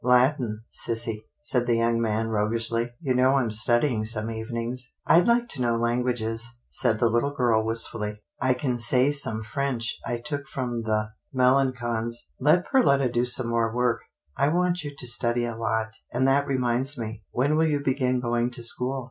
" Latin, sissy," said the young man roguishly, " you know I'm studying some evenings." " I'd like to know languages," said the little girl wistfully. " I can say some French I took from the Melangons." " Let Perletta do more work. I want you to study a lot, and that reminds me — ^when will you begin going to school